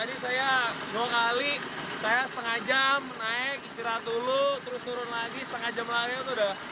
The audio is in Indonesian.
saya dua kali saya setengah jam naik istirahat dulu terus turun lagi setengah jam lagi itu udah